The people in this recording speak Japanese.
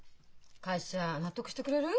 会社納得してくれる？